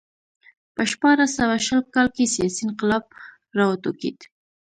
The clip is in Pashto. په شپاړس سوه شل کال کې سیاسي انقلاب راوټوکېد